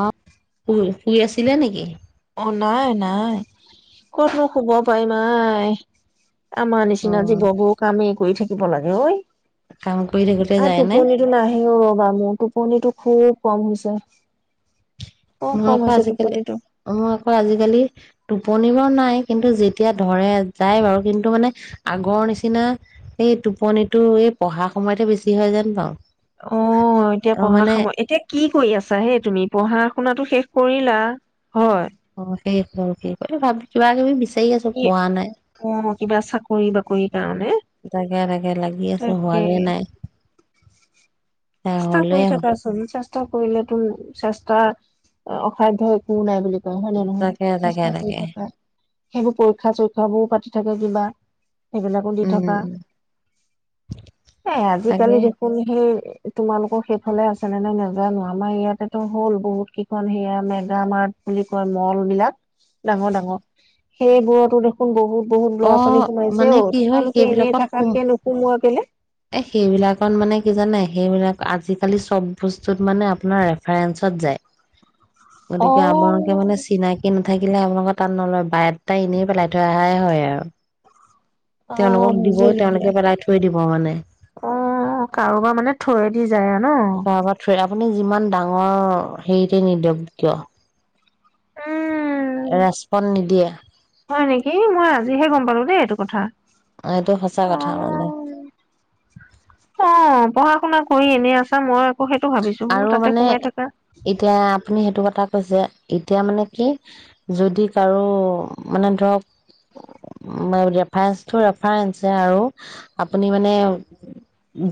অ ফু শুই আছিলে নেকি অ নাই নাই কতনু শুব পাৰিম মাই আমাৰ অ নিচিনা জীৱবোৰ কামে কৰি থাকিব লাগে ঐ কাম কৰি থাকোতে আ যায় নে টোপনিতটো নাহিও ৰবা মোৰ টোপনিতটো খুব কম হৈছে খুব অ কম ঘৰৰ পৰা হৈছে আজিকালি টোপনিটো অ আজিকালি টোপন বাৰ নাই কিন্তু যেতিয়া ধৰে যায় বাৰু কিন্তু মানে আগৰ নিচিনা এই টোপনিতটো এই পঢ়া সময়তে বেছি হয় যেন পাওঁ অ এতিয়া অ পঢ়া মানে সময় এতিয়া কি কৰি আছা হে তুমি পঢ়া শনাতো শেষ কৰিলা হয় অ সেই আৰু ক ভাবি কিবাকিবি বিচাৰি আছো কি পোৱা নাই অ কিবা চাকৰি বাকৰিৰ কাৰণে তাকে তাকে লাগি আছো তাকে হোৱাগে নাই এ চেষ্টা হলে কৰি থাকা চোন চেষ্টা কৰিলে তো চেষ্টা অসাধ্য একো নাই বুলি হয়নে নহয় তাকে তাকে চেষ্টা কৰি তাকে থকা সেইবোৰ পৰীক্ষা চৰীক্ষাবোৰ পাতি থাকে কিবা সেইবিলাকো দি উম থকা এ তাকে আজিকালি দেখোন সেই তোমালোকৰ সেইফালে আছেনে নাই নাজানো আমাৰ ইয়াতেতো হ'ল বহুত কেইখন সেয়া মেগ মাৰ্ট বুলি কয় মল বিলাক ডাঙৰ ডাঙৰ সেইবোৰতো দেখোন বহুত বহুত অ ল'ৰা ছোৱালী সোমাইছে মানে অ কি হয় তোমালোকে এনেই সেইবিলাকত সোম থাকাতকে নোসোমোৱা কেলে এ সেইবিলাকত মানে কি জানাই সেইবিলাক আজিকালি চব বস্তুত মানে আপোনাৰ ৰেফাৰেঞ্চত যায় অ গতিকে আপোনালোকে মানে চিনাকি ন থাকিলে আপোনালোকৰ তাত নলয় বায়টা এনেই পেলাই থৈ অহাই হয় আৰু [unintelligible] অ তেওঁলোকক দিব। বুজিলো দিয়া তেওঁলোকে পেলাই থৈ দিব হ মানে অ, কাৰোবাৰ মানে থৈ দি যায় অ' ন কাৰোবাক থৈ আপুনি যিমান ডাঙৰ হেৰিতে নিদিয়ক কিয় উম ৰেচপন নিদিয়ে। এ মই আজিহে গম পালো দেই এইটো কথা। এইটো সঁচা কথা মানে। অ না কৰি এনে আছা মই সেইটো ভাবিছো বোলো আৰু তাতে মানে, সোমাই থাকা এতিয়া আপুনি সেইটো কথা যে এতিয়া মানে কি যদি কাৰো, মানে ধৰক ৰেফাৰেন্সতো ৰেফাৰেন্সে আৰু আপুনি মানে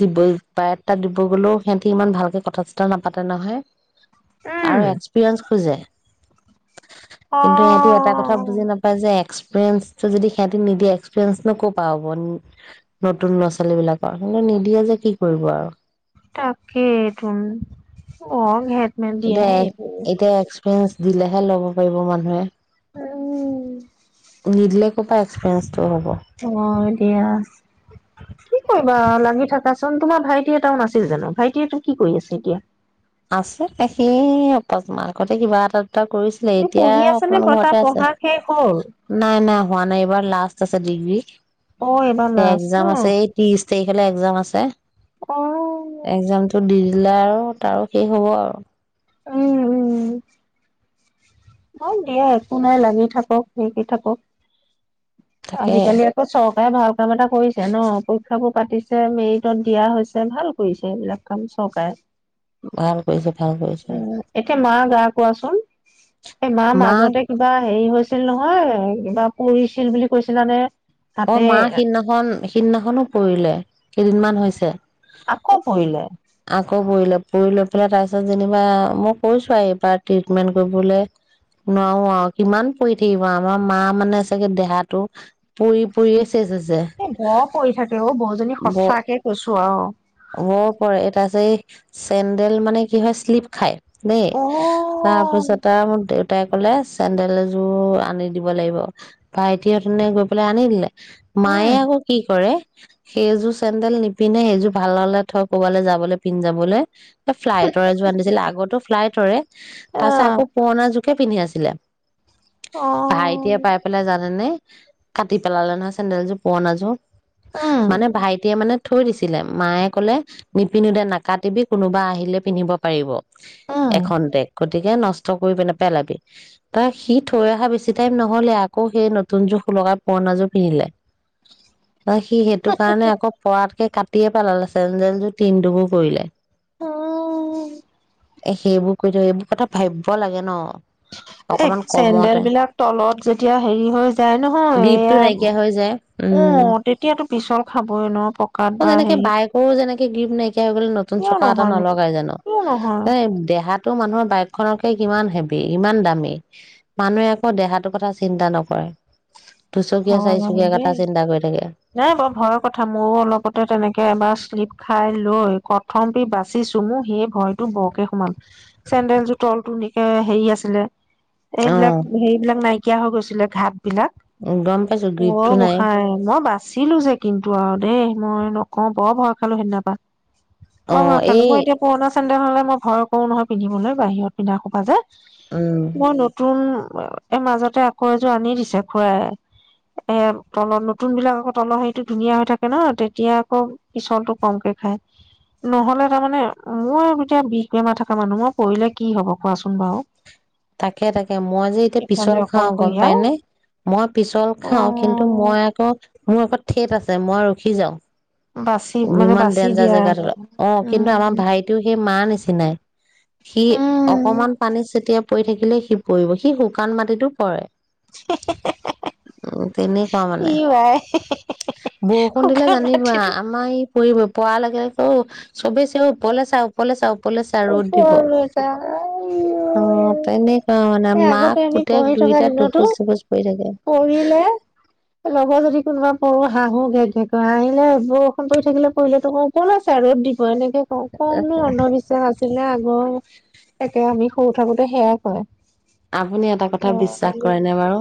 দিব পাৰে। তাত দিব গ'লেও সিহঁতে ইমান ভাল কথা চথা নাপাতে নহয়। আৰু উম এক্সপিৰিয়েঞ্চ খোজে। অ কিন্তু ইিহঁতে এটা কথা বুজি নাপায় যে এক্স প্ৰেঞ্চটো যদি সিহঁতে নিদিয়ে, এক্সপিৰিয়েন্স ন ক'ৰ পৰা হ'ব, নতুন ল'ৰা-ছোৱালী বিলাকৰ [unintelligible] নিদিয়ে যে কি কৰিব আৰু। তাকেতোন, অ' [unintelligible] দেখ এতিয়া এক্সপিৰিয়েন্স দিলেহে ল'ব পাৰিব মানুহে। উম নিদিলে ক'ৰ পৰা এক্সপিৰিয়েন্সটো হ'ব। অ', দিয়া। কি কৰিবা, লাগি থকা। চোন তোমাৰ ভাইটি এটাও নাছিল জানো? ভাইটিটো কি কৰি আছে এতিয়া? আছে, সেই [unintelligible] কিবা এটা টা কৰিছিলে। সি এতিয়া পঢ়ি আছে নে অকণমান তাৰ ঘৰতে আছে। পঢ়া শেষ হ'ল নাই, নাই, হোৱা নাই এইবাৰ লাষ্ট [unintelligible] ডিগ্ৰী অ এইবাৰ লাষ্ট ন এক্সাম আছে এই তিশ এইফালে এক্সাম আছে। অহ'। জিলাৰো তাৰো সেই হ'ব আৰু উম', উম', হয়। দিয়া একো নাই, লাগি থাকক, শিকি থাকক। তাকে আজিকালি আকৌ চক ভাল কাম এটা কৰিছে ন। পৰীক্ষাবোৰ পাতিছে, মেৰিটত দিয়া হৈছে, ভাল কৰিছে এইবিলাক কাম চৰকাৰে ভাল কৰিছে ভাল কৰিছে উম', এতিয়া মাৰ গা কোৱাচোন। এই মাৰ মাক মাজতে কিবা হেৰি হৈছে আছিল নহয় কিবা পঢ়িছিল বুলি কৈছিলা নে অ মা সেইদিনাখন সিদিনাখনো পৰিলে কেইদিনমান হৈছে ছে আকৌ পৰিলে পৰিলো লৈ পেলাই তাৰপিছত যেনিবা মই কৈছো আৰু এইবাৰ ট্ৰিটমেন্ট কৰিবলে নোৱাৰো আৰু কিমান পৰি থাকিব আমাৰ মা মানে চাগে দেহাটো পঢ়ি পঢ়ি আছে এ বৰ কৰি থাকে অ বহুজনী বৰ সঁচাকে কৈছো আৰু চেণ্ডেল মানে কি হয় শ্লিপ খায় দেই অ তাৰপিছত আৰু মোৰ দেউতাই কলে চেন্দেলযোৰ আনি দিব লাগিব ভাইটিহঁতে গৈ বোলে আনি দিলে মায়ে উম আকৌ কি কৰে সেইযোৰ চেডেল নিপিন্ধে সেইযোৰ ভাল হলে থ কবালৈ যাবলৈ পিন্ধ যাবলৈ ফ্লাইটৰে যোৱা আান দিছিল আগতো ফ্লাইটৰে তাৰ পিছত আকৌ আহ পুৰণা যোগ কিয় পিন্ধি আছিলে অ ভাই এতিয়া পাই পেলাই জানা নে কাটি পেলালে নহ চেন্দডেলযোৰ পুৰণাযোৰ উম মানে ভাইটিয়ে মানে থৈ দিছিলে মায়ে কলে নিপিন্ধো দে নাকাটিবি কোনোবা আহিলে পিন্ধিব পাৰিব উম এখন দেশ গতিকে নষ্ট নষ্ট কৰি পেনে পেলাবি তাৰ সি থৈ অহা বেছি টাইম নহ'লে আকৌ সেই নতুন যুখ লগা পুৰণা যোৰ পিন্ধিলে ন সি সেইটো কাৰণে আকৌ পৰাতকে কাট দিয়ে পালা লে চেণ্ডেলযোৰ তিনটুকুৰ কৰিলে অ এ সেইবোৰ কৰি থ এইবোৰ কথা ভাবিব লাগে ন এ অকমান কমতে। চেন্দেল বিলাক তলত যেতিয়া হেৰি হৈ যায় নহয় গ্ৰীপটো এয়া নাইকিয়া হৈ যায় অ উম। তেতিয়াতো পিছল খাবই ন পকাত বা হেৰি গ্ৰিফট নেকি তেৱেঁই বলে নতুন চকা এটা নলগাই জানো কিয় নহয় সেই দেহাতো মানুহৰ বাইকৰ খনকে কিমান হেভি ইমান দামী মানুহে আকৌ দেহাটোৰ কথা চিন্তা নকৰে। দুচকীয়া হয় চাৰিচকীয়া কথা দেই চিন্তা কৰি থাকে। নাই বৰ ভয়ৰ কথা ময়ো অলপতে তেনেকে এবাৰ শ্লিপ। খাই লৈ প্ৰথমতে বাচিছো মোৰ সেই ভয়টো বৰকে সোমাল চেন্দেল যোৰ তলটো একে হেৰি আছিলে। এইবিলাক অ হেইবিলাক নাই। নকিয়া হৈ গৈছিলে ঘাট বিলাক। অ গম পাইছো গ্ৰীপটো নাই। গোঁসাঁই ন বাছ। আছিলো যে কিন্তু আৰু দেই মই নকওঁ বৰ ভয় খালো সেইদিনাপা। অ অই ঘৰ খালো এই মই এতিয়া পুৰণা চডেখনলে মই। ভয় কৰো নহয় পিন্ধিবলৈ বাহিৰত পিন্ধা খোবা যে। উম মোৰ নতুন এই মাজতে আকৌ এযোৰ আনি দিছে খুৱাই। এ তলত নতুন বিলাক আকৌ তলৰ হেৰিটো ধুনীয়া হৈ থাকে ন তেতিয়া আকৌ পিছলটো কমকে খাই নহলে তাৰমানে মোৰ এতিয়া বিষ বেমাৰ থকা মানুহ মই পৰিলে কি হব কোৱাচোন বাৰু তাকে তাকে মই যে এতিয়া পিছল ইফালে খাওঁ গম অকলশৰীয়া পাই ন মই। পিছল খাওঁ কিন্তু অ' মই আকৌ মোৰ আকৌ ঠেট আছে ম। মই ৰখি যাওঁ। বাচি মানে যিমান বাচি ডেঞ্জাৰ দিয়া জেগাত আৰু। অ কিন্তু আমাৰ উম, ভাইটও সেই মাৰ নিচিনাই। সি উম, অকমান পানী চটিয়াই। পৰি থাকিলে সি পৰিব সি শুকান মাটিতো পৰে। তেনেকুৱা মানে ই আই বৰষুণ দিলে শুকান জানিবা মাটিটো আমাৰ ই পৰিব। পোৱা লাগিলটো চুবেছ ওপৰলে চাও ওপৰলে চাও। ওপৰলৈ চা আইও। মনে মানে মাক পুতেক দুইটা টোপজ চপচ পৰি। থাকে পঢ়িলে লগৰ যদি কোনোবা পঢ়ো হাঁহো ঘে ঘেক হাঁহিয়ে বৰষুণ পৰি থাকিলে পঢিলেতো কও ওপৰলে ছা ৰ'দ দিব এনেকে। ক কম অন্ধবিশ্বাস আছিলে আজি। মই ও একে আমি সৰু থাকোতে সেয়াই কৰে। আপুনি এটা কথা বিশ্বাস কৰে ন বাৰু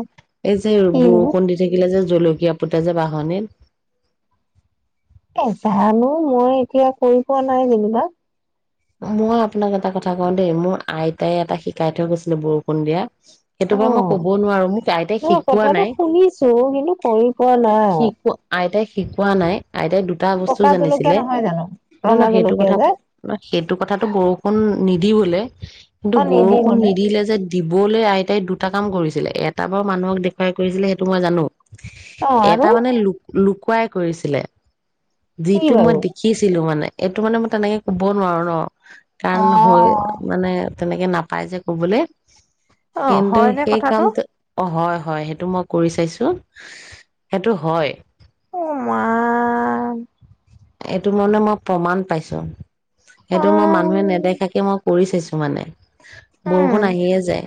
এই যে যে কিনো বৰষুণ দি থাকিলে। যে জলকীয়া পুতে যে বাহনিত। এ জানো মই এতিয়া কৰি পোৱা নাই যেনিবা। মই আপোনাক এটা কথা কওঁ দেই মোৰ আইতাই এটা শিকাই থৈ গৈছিলে বৰষুণ দিয়া। সেইটো অ বাৰ মই কব নোৱাৰো মোক আইতাই নহয় শিকোৱা কথাটো নাই শুনিছো কিন্তু কৰি পোৱা নাই শিকোৱা আইতাই। শিকোৱা নাই আইতাই দু পকা জলকীয়া নহয় জানো ন ৰঙা সেইটো জলকীয়া কথা যে ন সেইটো কথাটো বৰষুণ নিদিবলৈ কিন্তু অ নিদি বৰষুণ মানে নিদিলে যে দিবলৈ আইতাই দুটা কাম কৰিছিলে এটা বাৰু মানুহক দেখুৱাই কৰিছিলে সেইটো মই জানো। অ আৰু এটা মানে লোক লোক কুৱাই কৰিছিলে কি যিটো মই বাৰু দেখিছিলোঁ মানে এইটো মানে মই তেনেকে কম ক'ব' নোৱাৰো ন অ কাৰণ হৈ মানে তেনেকে নাপায় যে ক'বলৈ অ কিন্তু হয়নে সেই কথাটো কামটো অ হয় হয় সেইটো মই কৰি চাইছোঁ সেইটো হয় অ মা এইটো মানে মই প্ৰমাণ পাইছোঁ সেইটো মই মানুহে অ নেদেখাকে মই কৰি চাইছোঁ মানে বৰষুণ উম, আহিয়ে যায়।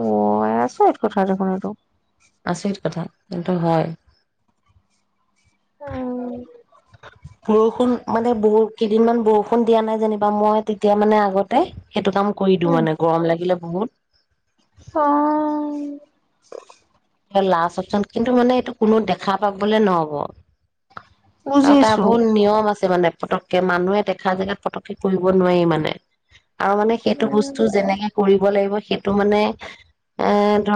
অ' কথা দেখোন এইটো আচৰিত কথা কিন্তু হয় অ বৰষুণ মানে বহু কেইদিনমান বৰষুণ দিয়া নাই যেনিবা মই তেতিয়া মানে আগতে সেইটো কাম কৰি দিও উম, মানে গৰম লাগিলে বহুত অ লাষ্ট অপচন কিন্তু মানে এইটো কোনো দেখা পাবলে নহ'ব তাতে বুজিছো। আকৌ নিয়ম আছে মানে পতকে মানুহে দেখা জেগাত পতকে কৰিব নোৱাৰি মানে আৰু মানে সেইটো উম, বস্তু যেনেকে কৰিব লাগিব সেইটো মানে এ ধ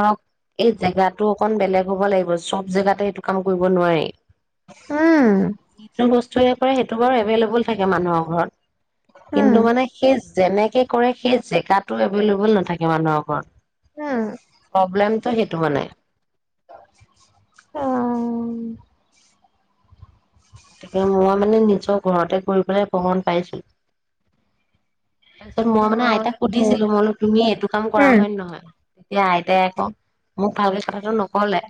এই জেগাটো অকন বেলেগ হ'ব লাগিব চব জেগাতে এইটো কাম কৰিব নোৱাৰি উম কোনে পাৰে সেইটো বাৰু এভেইলেবল থাকে মানুহৰ ঘৰত কিন্তু মানে সেই যেনেকে কৰে সেই জেগাটো এবেইলুবোল নাথাকে মানুহৰ ঘৰত। উম, প্ৰব্লেম তই সেইটো মানে। অ'। গতিকে মই মানে নিজৰ ঘৰতে কৰি পেলাই প্ৰমাণ পাইছো। তাৰপিছত মই মানে হয় আইতাক দিয়া, সুধিছিলো, মই বোলো তুমি এইটো কাম কৰা উম, হয় নে নহয়? তেতিয়া আইতাই আকৌ মোক ভালকে কথাটো নক'লে।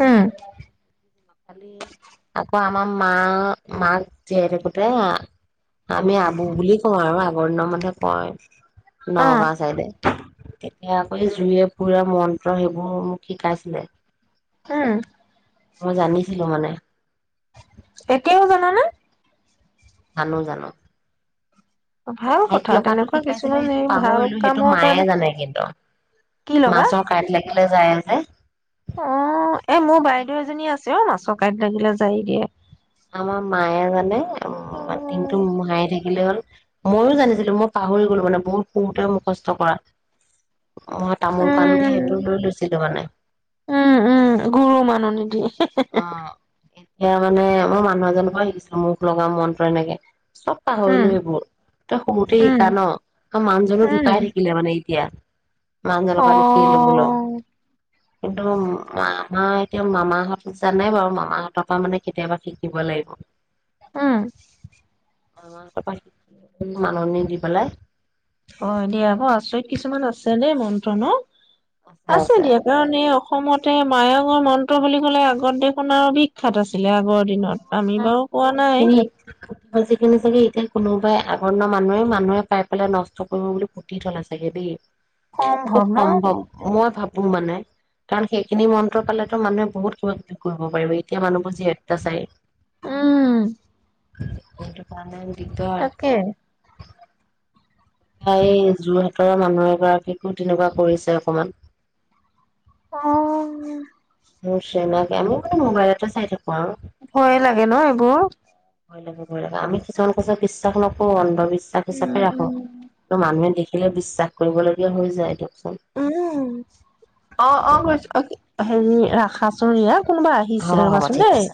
উম'। আকৌ আমাৰ মাৰ মাক জীয়াই থাকোঁতে আমি আবু বুলি কওঁ আৰু বৰ্ণ [unintelligible] অ', নগাঁও চাইদে। কেতিয়া আকৌ জুয়ে পোৰা মন্ত্ৰ সেইবোৰ মোক শিকাইছিলে। উম'। মই জানিছিলোঁ মানে। এতিয়াও জানানে জানো- জানো। ভাল কাঁইট কথা লগাটো তেনেকুৱা শিকাইছিলে কিছুমান সেইটো এই ভাল পাহৰিলোঁ সেইটো কামৰ কাৰণে মায়ে জানে কিন্তু, কি লগা মাছৰ কাঁট লাগিলে জাৰে যে হেই অ' এ মোৰ বাইদেউ এজনী আছে। আছে অ ' মাছৰ কাঁইট লাগিলে জাৰি দিয়ে। আমাৰ মায়ে মানে উম' দিনটো মোহাৰি থাকি আহিলে হ'ল। ময়ো জানিছিলোঁ মই পাহৰি গলো মানে বহুত সৰুতে মুখষ্ট কৰা। অ' তামোল পাণ দি সেইটো উম, লৈ লৈছিলো মানে। উম' -উম' গুৰু মাননি দিয়ে। এইয়া মানে। মই মানুহ এজনৰ পৰা শিকিছিলোঁ মুখ লগা মন্ত্ৰ এনেকে। চব উম, পাহৰিলোঁ এইবোৰ একদম সৰুতে উম, শিকা ন' আৰু মানুহজনো উম। ঢুকাই থাকিলে মানে এতিয়া। মানুহজনৰ পৰা লিখি খিলো বলো অ', কিন্তু আমাৰ এতিয়া মামাহঁতে জানে বাৰু মামাহঁতৰ পৰা মানে কেতিয়াবা শিক শিকিব লাগিব। উম' অ' তাৰপৰা শিক মাননি দি পেলাই [unintelligible] অ' হয় দিয়া আকৌ আচৰিত কিছুমান আছে দেই মন্ত্ৰ ন আছে দিয়া কাৰণ এই অস অসমতে মায়ঙৰ মন্ত্ৰ বুলি ক'লে আগত দেখোন আও বিখ্যাত আছিল। লে আগৰ কিন্তু দিনত, মোৰ আমি বাৰু পোৱা নাই। যিখিনি চাগে এতিয়া কোনোবাই আগৰ দিনৰ মানুহে মানুহে পাই পেলাই নষ্ট কৰিব বুলি পুটি থলে চাগে দেই সম্ভৱ খুব ন? সম্ভৱ মই ভাবো মানে কাৰণ সেইখিনি মন্ত্ৰ পালেতো মানুহে বহুত কিবা কিবি কৰিব পাৰিব এতিয়া মানুহবোৰ যিহেত তা চাৰিই [unintelligible] উম এটো কাৰনে তাকে এ এই যোৰহাটৰৰ মানুহ এগৰাকীকো তেনেকুৱা কৰিছে অকমান অহ চিনাকি আমি বাৰু মোবাইলতে চাই থাকো আৰু ভয়ে লাগে ন এইবোৰ? ভয় লাগে ভয় লাগে, আমি কিছুমান কথা বিশ্বাস নকৰো অন্ধবিশ্বাস হিচাপে উম, ৰাখো উম, ত মানুহে দেখে থাকিলে বিশ্বাস কৰিবলগীয়া হৈ যায়টো উম অ অ বছ আহ [unintelligible] ৰাখা চোন ৰিয়া কোনোবা হ'ব আহিছে হ'ব ৰ'বাচোন ঠিক দেই আছে।